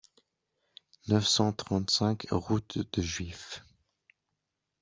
neuf cent trente-cinq route de Juif